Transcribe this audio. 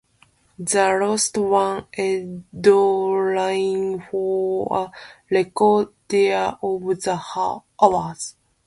The last one endures for a record duration of four hours.